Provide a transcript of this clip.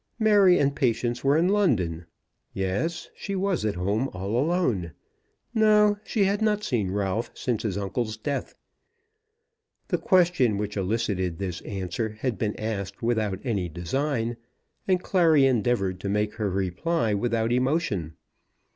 Mary and Patience were in London. Yes; she was at home all alone. No; she had not seen Ralph since his uncle's death. The question which elicited this answer had been asked without any design, and Clary endeavoured to make her reply without emotion.